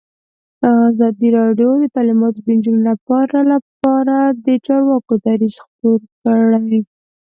ازادي راډیو د تعلیمات د نجونو لپاره لپاره د چارواکو دریځ خپور کړی.